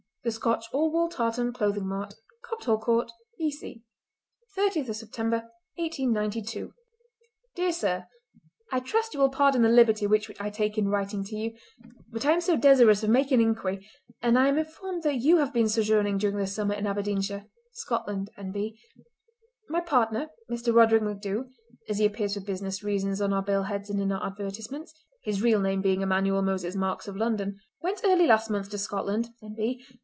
"The Scotch All Wool Tartan Clothing Mart. Copthall Court, E.C., 30th September, 1892. "Dear Sir,—I trust you will pardon the liberty which I take in writing to you, but I am desirous of making an inquiry, and I am informed that you have been sojourning during the summer in Aberdeenshire (Scotland, N.B.). My partner, Mr. Roderick MacDhu—as he appears for business reasons on our bill heads and in our advertisements, his real name being Emmanuel Moses Marks of London—went early last month to Scotland (N.B.)